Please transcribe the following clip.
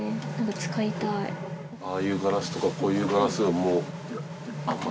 使いたいああいうガラスとかこういうガラスはもうあんま